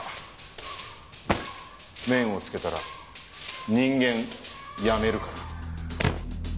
面をつけたら人間やめるから。